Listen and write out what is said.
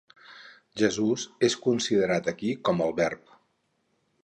Jesús és considerat aquí com el Verb.